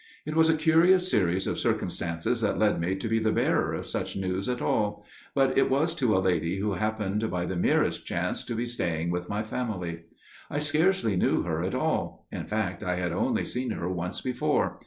It was a curious series of circumstances that led me to be the bearer of such news at all––but it was to a lady who happened by the merest chance to be staying with my family. I scarcely knew her at all––in fact I had only seen her once before.